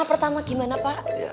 pertama gimana pak